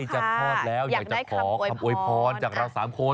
จะคลอดแล้วอยากจะขอคำโวยพรจากเรา๓คน